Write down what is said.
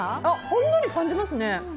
ほんのり感じますね。